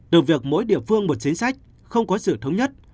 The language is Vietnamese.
từ việc mỗi địa phương một chính sách không có sự thống nhất